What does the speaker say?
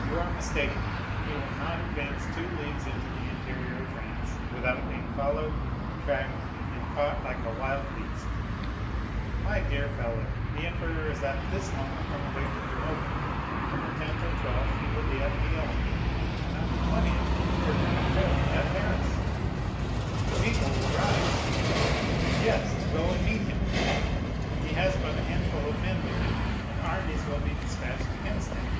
"You are mistaken; he will not advance two leagues into the interior of France without being followed, tracked, and caught like a wild beast." "My dear fellow, the emperor is at this moment on the way to Grenoble; on the 10th or 12th he will be at Lyons, and on the 20th or 25th at Paris." "The people will rise." "Yes, to go and meet him." "He has but a handful of men with him, and armies will be despatched against him."